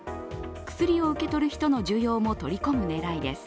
薬を受け取る人の需要も取り込む狙いです。